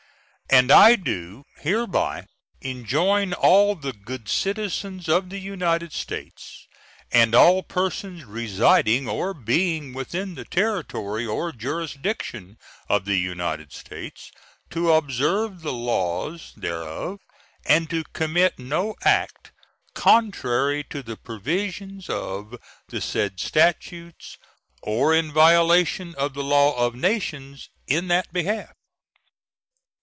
And I do hereby enjoin all the good citizens of the United States and all persons residing or being within the territory or jurisdiction of the United States to observe the laws thereof and to commit no act contrary to the provisions of the said statutes or in violation of the law of nations in that behalf.